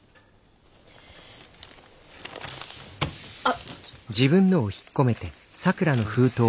あっ！